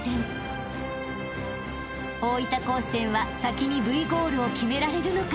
［大分高専は先にＶゴールを決められるのか？］